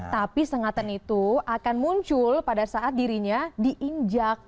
tapi sengatan itu akan muncul pada saat dirinya diinjak